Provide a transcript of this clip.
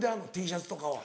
Ｔシャツとかは。